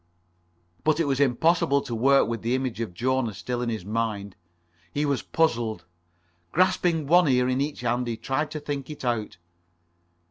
But it was impossible to work with the image of Jona still in his mind. He was puzzled. Grasping one ear in each hand he tried to think it out.